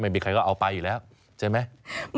ไม่มีใครก็เอาไปอยู่แล้วใช่ไหม